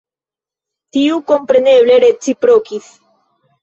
Tiu kompreneble reciprokis.”